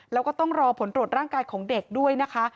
แล้วก็ต้องรอผลตรวจร่างกายของเด็กด้วยนะคะ